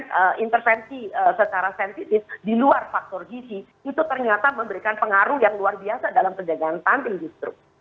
jadi intervensi secara sensitif di luar faktor gizi itu ternyata memberikan pengaruh yang luar biasa dalam penjagaan tanpa industri